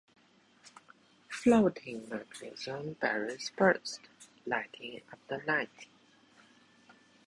Floating magnesium barrels burst, lighting up the night.